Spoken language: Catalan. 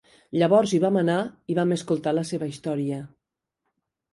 Llavors hi vam anar i vam escoltar la seva història...